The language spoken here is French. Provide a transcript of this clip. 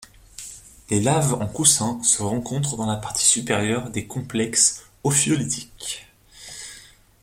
Les laves en coussins se rencontrent dans la partie supérieure des complexes ophiolitiques.